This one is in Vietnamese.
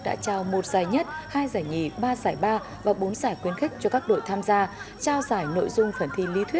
đã được vui chơi được học hành